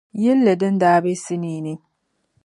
yilli din daa be sinii ni.